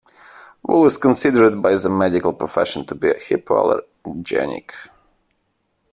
Wool is considered by the medical profession to be hypoallergenic.